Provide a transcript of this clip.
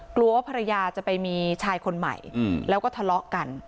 กลัวว่าภรรยาจะไปมีชายคนใหม่แล้วก็ทะเลาะกัน